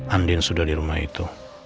andien sudah di rumah itu